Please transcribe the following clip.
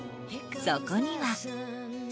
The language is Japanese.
そこには。